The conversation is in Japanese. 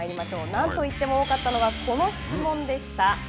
何といっても多かったのがこの質問でした。